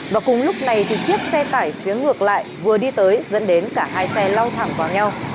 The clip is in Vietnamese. và cùng lúc này thì chiếc xe tải phía ngược lại vừa đi tới dẫn đến cả hai xe lao thẳng vào nhau